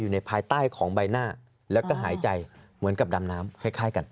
ภายใต้ของใบหน้าแล้วก็หายใจเหมือนกับดำน้ำคล้ายกัน